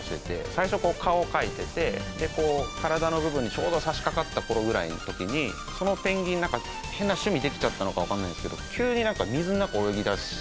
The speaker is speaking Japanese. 最初こう顔を描いててでこう体の部分にちょうど差しかかった頃ぐらいの時にそのペンギンなんか変な趣味できちゃったのかわかんないんですけど。